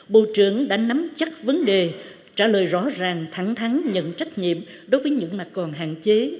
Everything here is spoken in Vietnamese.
bộ trưởng đã nắm chắc vấn đề trả lời rõ ràng thẳng thắng nhận trách nhiệm đối với những mặt còn hạn chế